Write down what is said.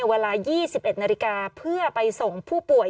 เวลา๒๑นาฬิกาเพื่อไปส่งผู้ป่วย